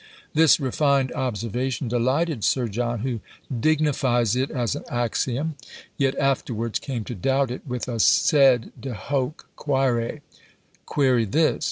This refined observation delighted Sir John, who dignifies it as an axiom, yet afterwards came to doubt it with a sed de hoc quÃḊre query this!